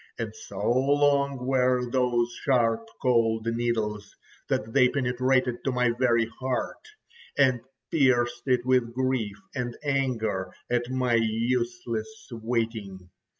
And so long were those sharp cold needles that they penetrated to my very heart, and pierced it with grief and anger at my useless waiting.